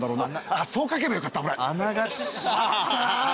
あそう書けばよかった俺。